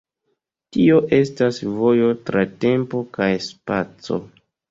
Tio estas vojo tra tempo kaj spaco.